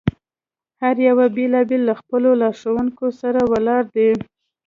هر یو بېل بېل له خپلو لارښوونکو سره ولاړ دي.